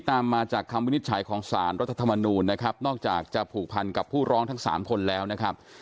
ตามมาจากคำวินิจฉัยของสารรัฐธรรมนูลนะครับนอกจากจะผูกพันกับผู้ร้องทั้งสามคนแล้วนะครับ